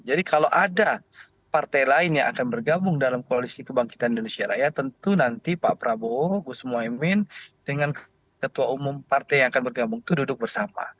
jadi kalau ada partai lain yang akan bergabung dalam koalisi kebangkitan indonesia raya tentu nanti pak prabowo gus muhaymin dengan ketua umum partai yang akan bergabung itu duduk bersama